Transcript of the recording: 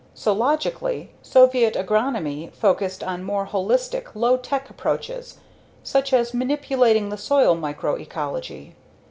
So logically, Soviet agronomy focused on more holistic, low tech approaches such as manipulating the soil microecology.